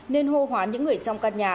nên hô hóa những người trong căn nhà